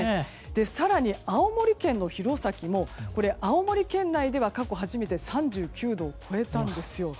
更に、青森県の弘前も青森県内では過去初めて３９度を超えたんですよ。